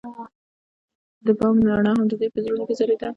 د بام رڼا هم د دوی په زړونو کې ځلېده.